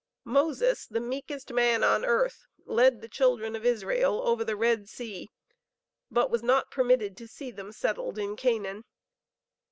Moses, the meekest man on earth, led the children of Israel over the Red Sea, but was not permitted to see them settled in Canaan.